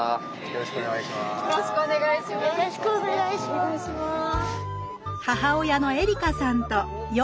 よろしくお願いします。